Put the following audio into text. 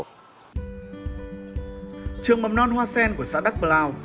trường mầm non hoa sen của xã đắk plao